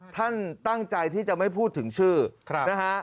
ท่านตั้งใจที่จะไม่พูดถึงชื่อนะฮะ